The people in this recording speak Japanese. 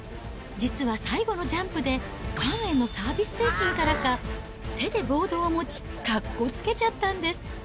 実は最後のジャンプで、ファンへのサービス精神からか、手でボードを持ち、格好をつけちゃったんです。